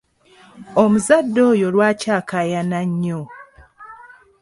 Omuzadde oyo lwaki akaayana nnyo?